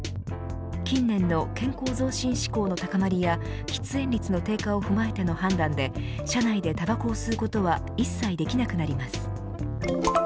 近年の健康増進志向の高まりや喫煙率の低下を踏まえての判断で車内でたばこを吸うことは一切できなくなります。